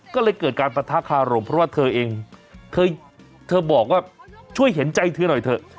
ก็เลยเกิดการปะทะคารมเพราะว่าเธอเองเธอบอกว่าช่วยเห็นใจเธอหน่อยเถอะ